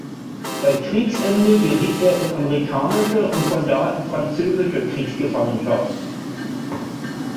Bei Kriegsende geriet er in amerikanische und von da in französische Kriegsgefangenschaft.